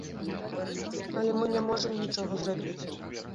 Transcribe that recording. Але мы не можам нічога зрабіць.